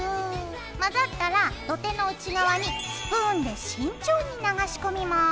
混ざったら土手の内側にスプーンで慎重に流し込みます。